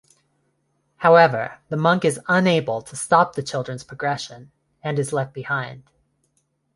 However, the monk is unable to stop the children's progression and is left behind.